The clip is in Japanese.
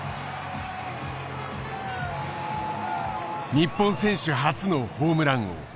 日本選手初のホームラン王。